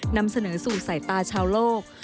นำเสนอสู่สายตาชาวโลก